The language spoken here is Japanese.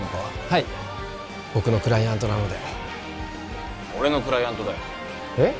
はい僕のクライアントなので俺のクライアントだよえっ？